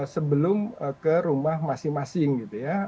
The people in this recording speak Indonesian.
sebelum ke rumah masing masing gitu ya